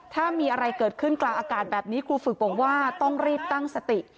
ถ้ามีอะไรเกิดขึ้นกลางอากาศแบบนี้ครูฝึกบอกว่าต้องรีบตั้งสติ